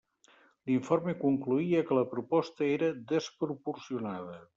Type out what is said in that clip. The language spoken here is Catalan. L'informe concloïa que la proposta era desproporcionada.